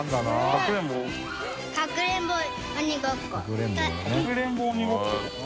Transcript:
「かくれんぼ鬼ごっこ」？